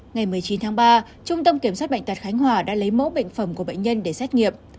ngày một mươi chín tháng ba trung tâm kiểm soát bệnh tật khánh hòa đã lấy mẫu bệnh phẩm của bệnh nhân để xét nghiệm